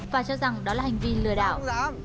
và cho rằng đó là hành vi lừa đảo